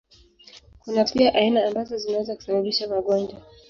Kuna pia aina ambazo zinaweza kusababisha magonjwa.